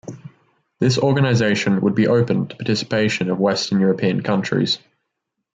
This organization would be open to participation of Western European countries.